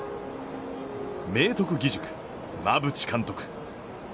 明徳義塾・馬淵監督。